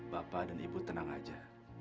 bapak dan ibu tenang aja